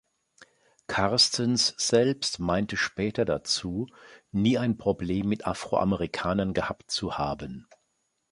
Karstens selbst meinte später dazu, nie ein Problem mit Afro-Amerikanern gehabt zu haben.